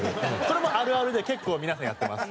これもあるあるで結構皆さんやってます。